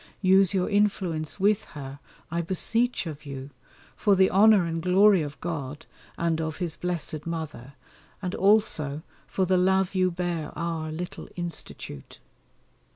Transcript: Use your influence with her, I beseech of you, for the honour and glory of God and of His Blessed Mother, and also for the love you bear our little Institute.